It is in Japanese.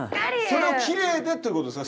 それはきれいでって事ですか？